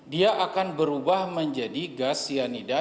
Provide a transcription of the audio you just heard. dia akan berubah menjadi gas cyanida